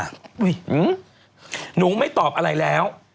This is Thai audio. หนูไม่ตอบอะไรแล้ว